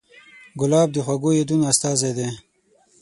ګلاب د خوږو یادونو استازی دی.